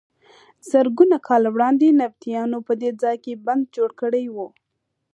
زرګونه کاله وړاندې نبطیانو په دې ځای کې بند جوړ کړی و.